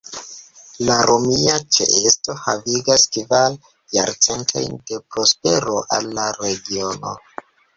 La romia ĉeesto havigas kvar jarcentojn de prospero al la regiono.